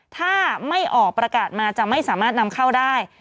ถ้าไม่ออกประกาศมาจะไม่สามารถนำเข้าได้